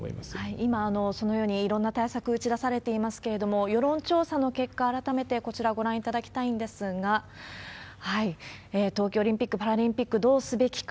今、そのようにいろんな対策打ち出されていますけれども、世論調査の結果、改めてこちら、ご覧いただきたいんですが、東京オリンピック・パラリンピック、どうすべきか。